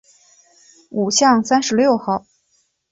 五巷三十六号